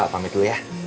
pamit dulu ya